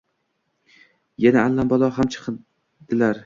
Yana allambalo ham chiqindilar.